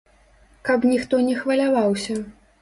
Каб ніхто не хваляваўся.